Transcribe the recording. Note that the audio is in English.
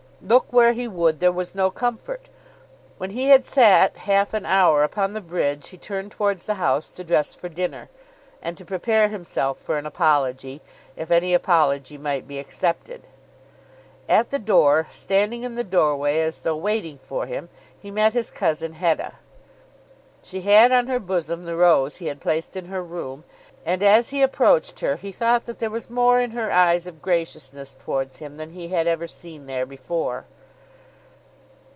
Look where he would there was no comfort. When he had sat half an hour upon the bridge he turned towards the house to dress for dinner, and to prepare himself for an apology, if any apology might be accepted. At the door, standing in the doorway as though waiting for him, he met his cousin Hetta. She had on her bosom the rose he had placed in her room, and as he approached her he thought that there was more in her eyes of graciousness towards him than he had ever seen there before.